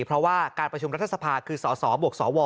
เพราะว่าการประชุมรัฐสภาคือสสบวกสว